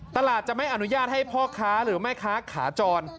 ตลาดจะไม่อนุญาตให้พ่อค้าหรือแม่ค้าขาจร